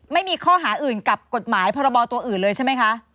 ไม่มีข้อหาอื่นกับกฎหมายพรบตัวอื่นเลยใช่ไหมคะ